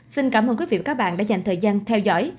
xin cảm ơn quý vị và các bạn đã dành thời gian theo dõi